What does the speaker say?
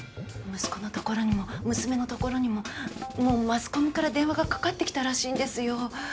息子のところにも娘のところにももうマスコミから電話がかかってきたらしいんですよ。